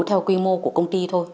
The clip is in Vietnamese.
theo quy mô của công ty thôi